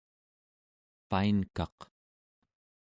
painkaq